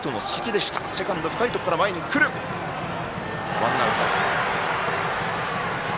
ワンアウト。